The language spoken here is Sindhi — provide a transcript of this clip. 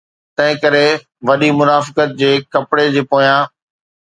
تنهنڪري وڏي منافقت جي ڪپڙي جي پويان.